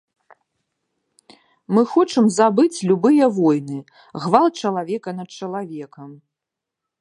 Мы хочам забыць любыя войны, гвалт чалавека над чалавекам.